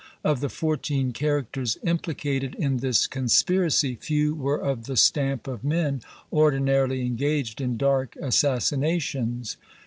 Of the fourteen characters implicated in this conspiracy, few were of the stamp of men ordinarily engaged in dark assassinations.